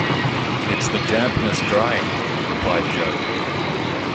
"It's the dampness drying," replied Jo.